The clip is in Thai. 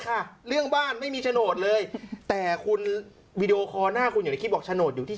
ค่ะเรื่องบ้านไม่มีชโนทเลยแต่คุณควบคุณบอกชโนทอยู่ที่